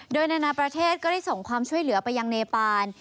โดยนานาประเทศก็ได้ส่งความช่วยเหลือไปยังเนปาน